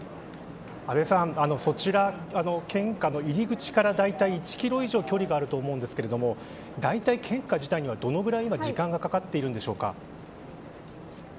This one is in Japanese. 阿部さん、献花の入り口から大体１ｋｍ以上距離があると思うんですが献花にはどのくらいの時間がかかっているんでしょうか。